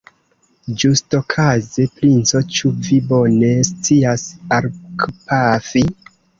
Ĝustokaze, princo, ĉu vi bone scias arkpafi?